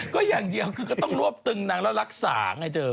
ก็อย่างเดียวคือก็ต้องรวบตึงนางแล้วรักษาไงเธอ